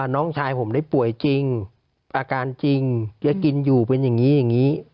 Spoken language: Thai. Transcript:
น้องชายผมได้ป่วยจริงอาการจริงจะกินอยู่เป็นอย่างนี้อย่างนี้